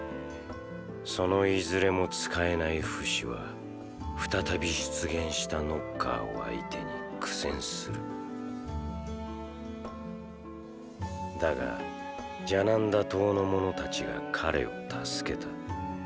そのいずれも使えないフシは再び出現したノッカーを相手に苦戦するだがジャナンダ島の者たちが彼を助けた。